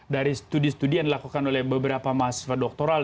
dari studi studi yang dilakukan oleh beberapa mahasiswa doktoral